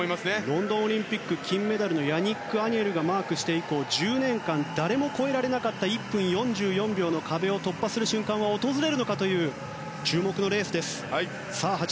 ロンドンオリンピック金メダリストがマークして以降１０年間、誰も越えられなかった１分４４秒の壁を突破する瞬間が訪れるのか注目のレースです。